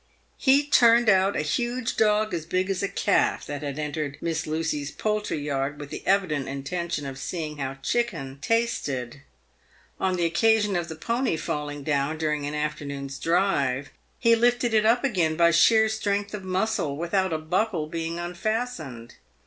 He turned out 1 Nt « PAVED WITH GOLD. 375 a huge dog as big as a calf that had entered Miss Lucy's poultry yard with the evident intention of seeing how chicken tasted. On the occasion of the pony falling down during an afternoon's drive, he lifted it up again by sheer strength of muscle, without a buckle being unfastened.